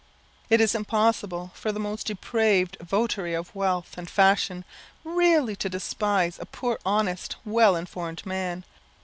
It is impossible for the most depraved votary of wealth and fashion really to despise a poor, honest, well informed man.